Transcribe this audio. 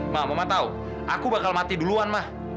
ma mama tahu aku bakal mati duluan ma